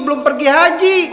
belum pergi haji